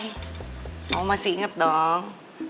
kamu masih inget dong